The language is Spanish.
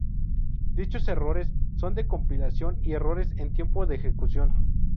Dichos errores son de compilación y errores en tiempo de ejecución.